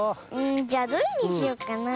じゃあどれにしよっかなあ。